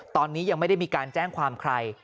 ตอนนี้ยังไม่ได้มีการแจ้งความใคร